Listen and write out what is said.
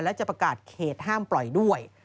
และจะประกาศเขตห้ามปล่อยด้วย